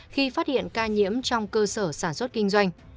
khi phát hiện ca nhiễm trong cơ sở sản xuất kinh doanh